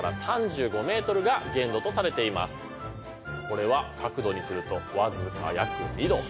これは角度にすると僅か約２度。